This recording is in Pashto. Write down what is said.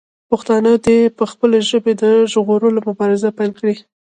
پښتانه دې د خپلې ژبې د ژغورلو مبارزه پیل کړي.